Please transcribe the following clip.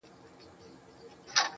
درواغ، ښکنځل او خیانت